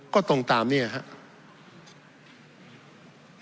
ก็ตรงตามนี้นะครับ